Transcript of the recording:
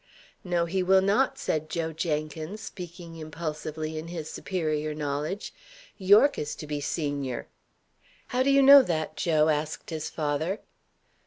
"No, he will not," said Joe Jenkins, speaking impulsively in his superior knowledge. "Yorke is to be senior." "How do you know that, Joe?" asked his father.